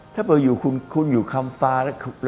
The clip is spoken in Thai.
ถ้าเบอร์อยู่คุณคุณอยู่คำฟ้า